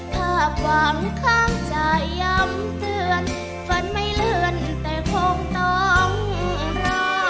ภาพหวังข้างใจย้ำเตือนฝันไม่เลื่อนแต่คงต้องรอ